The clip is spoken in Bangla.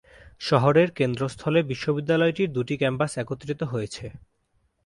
শহরের কেন্দ্রস্থলে বিশ্ববিদ্যালয়টির দুটি ক্যাম্পাস একত্রিত হয়েছে।